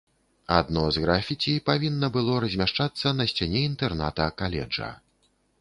Адно з графіці павінна было размяшчацца на сцяне інтэрната каледжа.